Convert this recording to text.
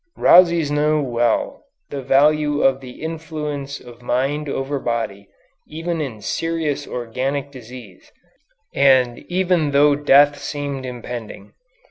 Rhazes knew well the value of the influence of mind over body even in serious organic disease, and even though death seemed impending.